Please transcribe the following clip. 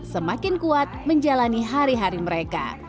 semakin kuat menjalani hari hari mereka